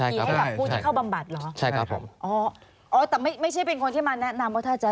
มีให้กับผู้ที่เข้าบำบัดเหรอใช่ครับผมอ๋ออ๋อแต่ไม่ใช่เป็นคนที่มาแนะนำว่าถ้าจะ